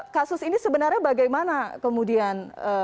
kasus ini sebenarnya bagaimana kemudian